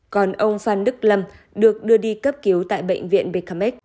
còn ông phan đức lâm được đưa đi cấp cứu tại bệnh viện becamec